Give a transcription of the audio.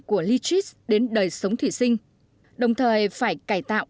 của lichis đến đời sống thủy sinh đồng thời phải cải tạo